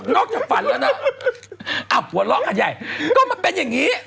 นอกจากฝันแล้วน่ะอร่องขัดใหญ่ก็มันเป็นอย่างนี้